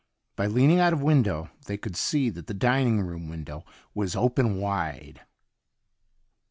By leaning out of window they could see that the dining rooin window was open wide.